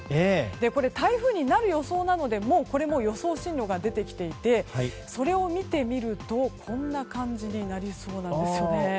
これ台風になる予想なのでもう、予想進路が出てきていてそれを見てみるとこんな感じになりそうなんです。